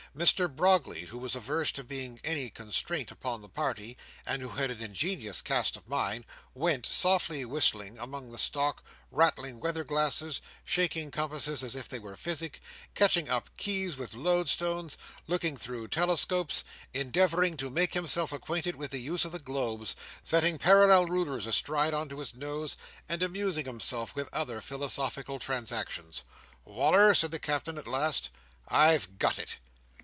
Mr Brogley, who was averse to being any constraint upon the party, and who had an ingenious cast of mind, went, softly whistling, among the stock; rattling weather glasses, shaking compasses as if they were physic, catching up keys with loadstones, looking through telescopes, endeavouring to make himself acquainted with the use of the globes, setting parallel rulers astride on to his nose, and amusing himself with other philosophical transactions. "Wal"r!" said the Captain at last. "I've got it."